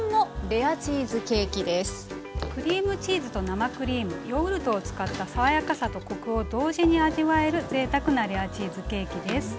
クリームチーズと生クリームヨーグルトを使った爽やかさとコクを同時に味わえるぜいたくなレアチーズケーキです。